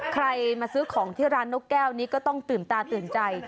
ใครมาซื้อของที่ร้านนกแก้วนี้ก็ต้องตื่นตาตื่นใจ